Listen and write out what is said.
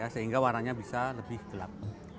sehingga warnanya bisa lebih gelap